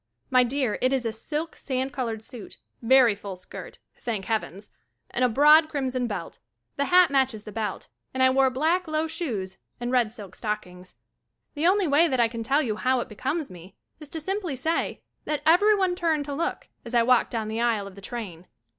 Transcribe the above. My dear, it is a silk sand colored suit, very full skirt, thank heavens, and a broad crimson belt. The hat matches the belt and I wore black low shoes and red silk stockings. The only way that I can tell you how it becomes me is to simply say that everyone turned to look as I walked down the aisle of the train.